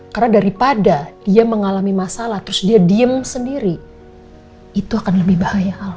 karena daripada dia mengalami masalah terus dia diem sendiri itu akan lebih bahaya al